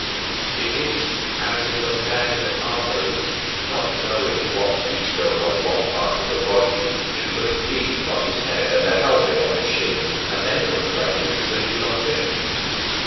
It is as if a man in an armory, not knowing what piece goes on what part of the body, should put a greave on his head and a helmet on his shin and then complain because they did not fit.